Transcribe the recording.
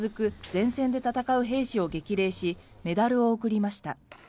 前線で戦う兵士を激励しメダルを贈りました。